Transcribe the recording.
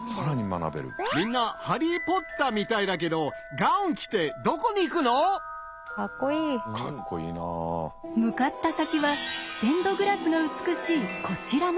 みんな「ハリー・ポッター」みたいだけど向かった先はステンドグラスが美しいこちらの建物。